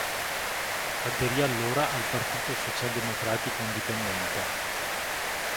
Aderì allora al Partito socialdemocratico indipendente.